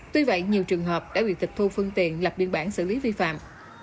tuy vậy nhiều trường hợp đã bị tịch thu phương tiện lập biên bản xử lý vi phạm